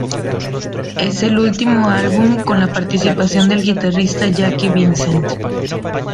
Es el último álbum con la participación del guitarrista Jacky Vincent.